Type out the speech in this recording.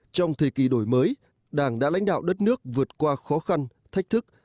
trong thời kỳ đổi mới đảng đã lãnh đạo đất nước vượt qua khó khăn thách thức